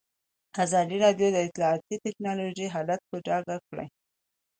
ازادي راډیو د اطلاعاتی تکنالوژي حالت په ډاګه کړی.